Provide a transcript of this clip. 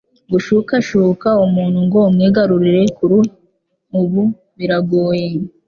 gushukashuka umuntu ngo umwigarurire kuri ubu biragoye